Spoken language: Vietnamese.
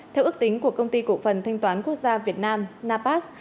theo ước tính của công ty cổ phần thanh toán quốc gia việt nam napas